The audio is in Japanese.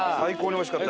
おいしかった。